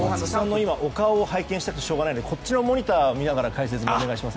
今、お顔を拝見したくてしょうがないのでこっちのモニターを見ながら解説をお願いします。